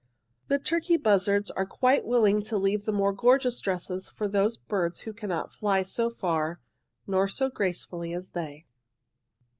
"'The turkey buzzards are quite willing to leave the more gorgeous dresses for those birds who cannot fly so far nor so gracefully as they.'"